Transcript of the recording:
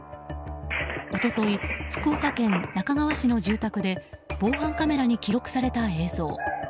一昨日、福岡県那珂川市の住宅で防犯カメラに記録された映像。